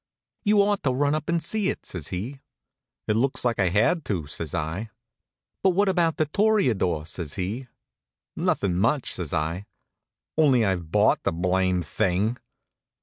"You ought to run up and see it," says he. "It looks like I had to," says I. "But what about The Toreador?" says he. "Nothin' much," says I, "only I've bought the blamed thing."